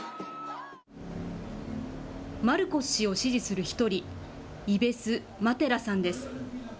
マルコス氏を支持する一人、イベス・マテラさんです。